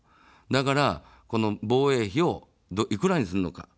だから、防衛費をいくらにするのか。